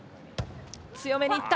強めにいった。